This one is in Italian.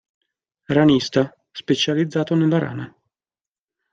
Ranista: Specializzato nella rana.